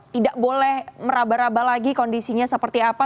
tidak boleh meraba raba lagi kondisinya seperti apa